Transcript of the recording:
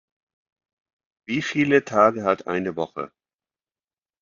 Wie viele Tage hat eine Woche?